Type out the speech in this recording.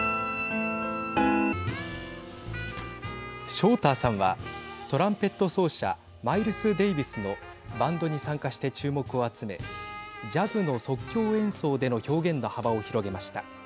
ショーターさんはトランペット奏者マイルス・デイビスのバンドに参加して注目を集めジャズの即興演奏での表現の幅を広げました。